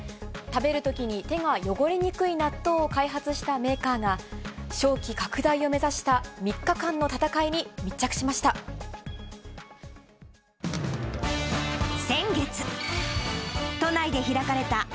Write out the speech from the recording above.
食べるときに手が汚れにくい納豆を開発したメーカーが、商機拡大を目指した３日間の戦いに密着しました。